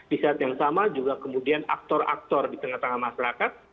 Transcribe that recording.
di saat yang sama juga kemudian aktor aktor di tengah tengah masyarakat